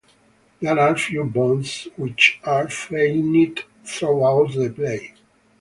There are few bonds which are feigned throughout the play.